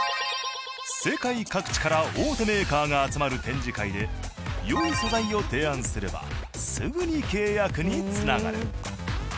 世界各地から大手メーカーが集まる展示会で良い素材を提案すればすぐに契約につながる。